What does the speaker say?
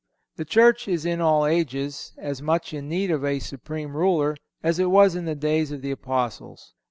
The Church is in all ages as much in need of a Supreme Ruler as it was in the days of the Apostles.